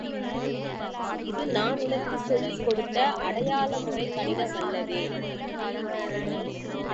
இது நான் உனக்குச் சொல்லிக் கொடுத்த அடையாளமுறைக் கணிதம் அல்லவே.